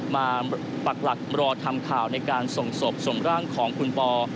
มาปักหลักรอทำข่าวในการส่งศพส่งร่างของคุณปอ